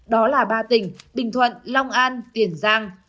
đó là ba tỉnh bình thuận long an tiền giang